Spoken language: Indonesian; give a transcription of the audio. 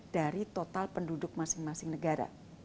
dari total penduduk masing masing negara